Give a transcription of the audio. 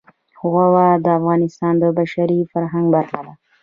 هوا د افغانستان د بشري فرهنګ برخه ده.